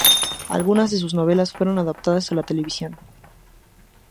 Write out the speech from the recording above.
Algunas de sus novelas fueron adaptadas a la televisión.